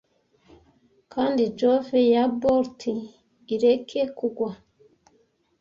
Kandi Jove ya bolt ireke kugwa!